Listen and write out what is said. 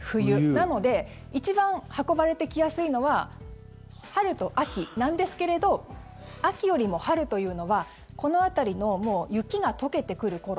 なので一番運ばれてきやすいのは春と秋なんですけれど秋よりも春というのはこの辺りの雪が解けてくる頃。